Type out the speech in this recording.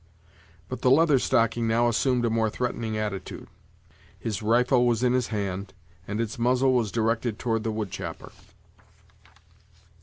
But the Leather Stocking now assumed a more threatening attitude; his rifle was in his hand, and its muzzle was directed toward the wood chopper.